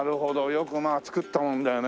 よくまあ作ったもんだよね。